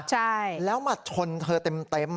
ใช่แล้วมาชนเธอเต็มเลยฮะ